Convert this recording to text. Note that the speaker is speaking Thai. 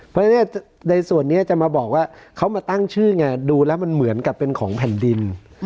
เพราะฉะนั้นในส่วนนี้จะมาบอกว่าเขามาตั้งชื่อไงดูแล้วมันเหมือนกับเป็นของแผ่นดิน